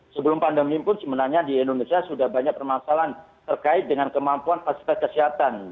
sebelum pandemi pun sebenarnya di indonesia sudah banyak permasalahan terkait dengan kemampuan fasilitas kesehatan